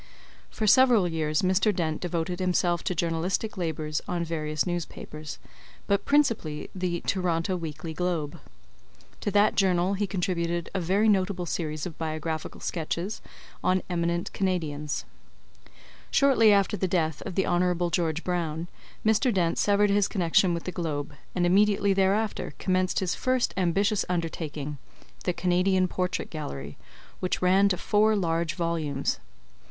For several years Mr. Dent devoted himself to journalistic labours on various newspapers, but principally the Toronto Weekly Globe. To that journal he contributed a very notable series of biographical sketches on "Eminent Canadians." Shortly after the death of the Hon. George Brown, Mr. Dent severed his connection with the Globe, and immediately thereafter commenced his first ambitious undertaking, The Canadian Portrait Gallery, which ran to four large volumes.